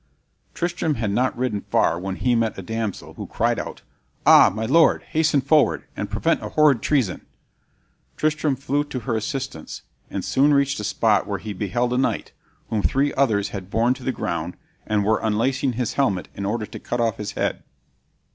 Tristram had not ridden far when he met a damsel, who cried out, "Ah, my lord! hasten forward, and prevent a horrid treason!" Tristram flew to her assistance, and soon reached a spot where he beheld a knight, whom three others had borne to the ground, and were unlacing his helmet in order to cut off his head.